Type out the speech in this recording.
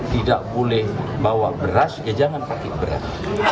tidak boleh bawa beras ya jangan pakai beras